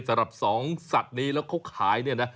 สำหรับสองสัตว์นี้แล้วเขาขายเนี่ยนะ